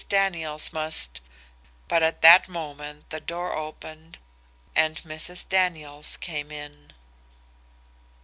Daniels must " But at that moment the door opened and Mrs. Daniels came in.